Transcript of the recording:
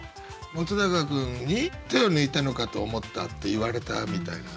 本君に「手を抜いたのかと思った」って言われたみたいな。